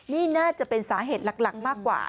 นี่น่าจะเป็นสาเหตุหลักมากกว่า